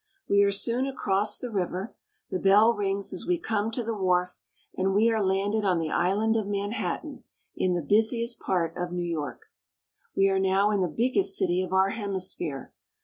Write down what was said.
We are soon across the river ; the bell rings as we ^ come to the wharf, and we are landed on the island of Manhat tan, in the busiest part of New York. We are now in the biggest city of our hemisphere.